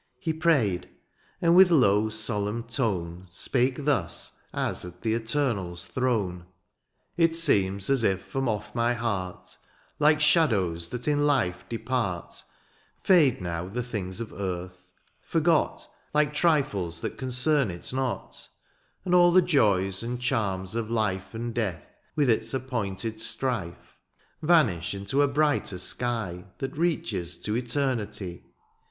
He prayed ; and with low solemn tone Spake thus, as at the Eternal's throne :^^ It seems as if from off my heart, ^^ Like shadows that in life depart *^ Fade now the things of earth ; forgot '^ Like trifles that concern it not ;" And all the joys and charms of life ^^ And death, with its appointed strife, " Vanish into a brighter sky ^^ That reaches to eternity.